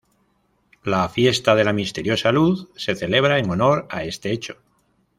La "Fiesta de la Misteriosa Luz" se celebra en honor a este hecho.